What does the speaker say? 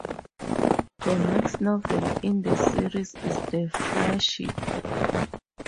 The next novel in the series is "The Fireship".